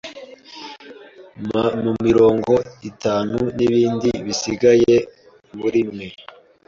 Mpa mirongo itanu nibindi bisigaye murimwe.